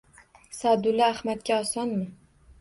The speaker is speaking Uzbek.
Sa’dulla Ahmadga osonmi?